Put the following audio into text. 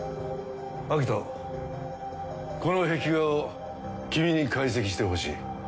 アキトこの壁画を君に解析してほしい。